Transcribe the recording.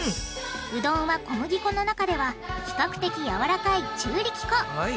うどんは小麦粉の中では比較的やわらかい中力粉。